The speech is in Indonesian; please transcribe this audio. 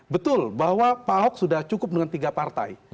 betul bahwa pak ahok sudah cukup dengan tiga partai